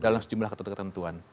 dalam sejumlah ketentuan